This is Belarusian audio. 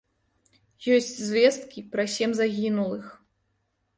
Ёсць звесткі пра сем загінулых.